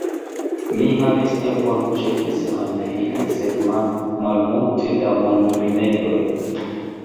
Mi havis tempon, ĉefe semajnfine, sed malmulte da monrimedoj.